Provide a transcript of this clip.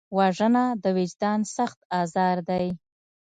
وژنه د وجدان سخت ازار دی